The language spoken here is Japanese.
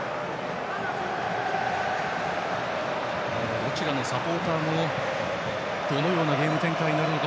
どちらのサポーターもどのようなゲーム展開になるのか